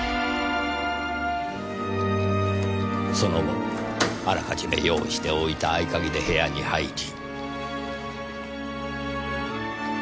その後あらかじめ用意しておいた合鍵で部屋に入り。